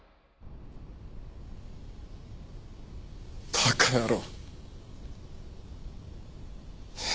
バカ野郎。